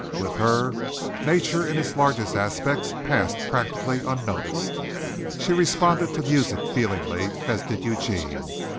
With her, nature in its largest aspects passed practically unnoticed. She responded to music feelingly, as did Eugene.